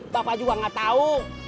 bapak juga gak tahu